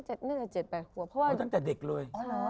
ตั้งแต่เด็กเลย